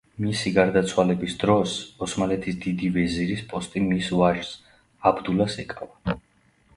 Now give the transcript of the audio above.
მისი გარდაცვალების დროს, ოსმალეთის დიდი ვეზირის პოსტი მის ვაჟს, აბდულას ეკავა.